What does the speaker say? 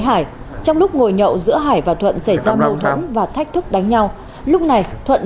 hải trong lúc ngồi nhậu giữa hải và thuận xảy ra mâu thuẫn và thách thức đánh nhau lúc này thuận